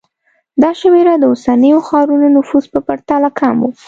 دا شمېر د اوسنیو ښارونو نفوس په پرتله کم و